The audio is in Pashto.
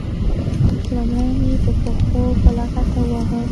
لومړی مې په پښو په لغته وواهه.